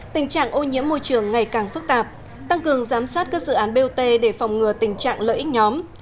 tình trạng ô nhiễm môi trường ngày càng phức tạp tăng cường giám sát các dự án bot để phòng ngừa tình trạng lợi ích nhóm